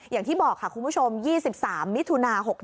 อย่างที่บอกค่ะคุณผู้ชม๒๓มิถุนา๖๖